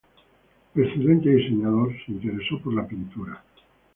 Excelente diseñador, se interesó por la pintura.